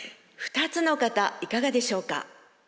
２つの方いかがでしょうか？